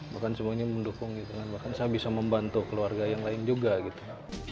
bahkan semuanya mendukung gitu kan bahkan saya bisa membantu keluarga yang lain juga gitu